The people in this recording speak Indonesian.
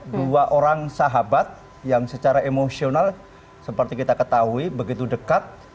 dua orang sahabat yang secara emosional seperti kita ketahui begitu dekat